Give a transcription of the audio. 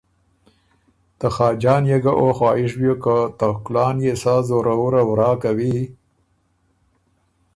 ته خاجان يې ګه او خواهش بیوک که ته کُلان يې سا زوره وُره ورا کوی